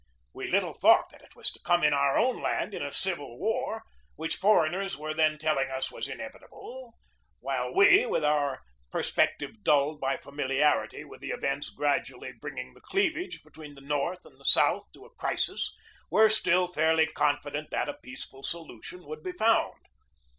We little thought it was to come in our own land in a civil war which foreigners were then telling us was inevitable, while we, with our perspective dulled by familiarity with the events gradually bringing the cleavage between the North and the South to a crisis, were still fairly confident that a peaceful solution would be found.